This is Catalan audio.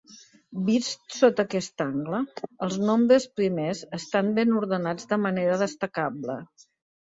Vist sota aquest angle, els nombres primers estan ben ordenats de manera destacable.